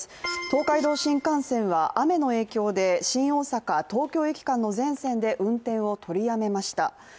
東海道新幹線は雨の影響で新大阪−東京駅間の全区間で運転を取りやめました。